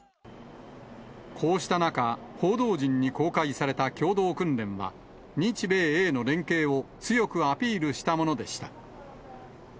こうした中、報道陣に公開された共同訓練は、日米英の連携を強くアピールしたものでした。